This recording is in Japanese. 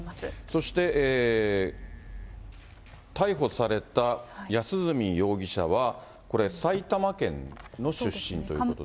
そして逮捕された安栖容疑者は、これ、埼玉県の出身ということで。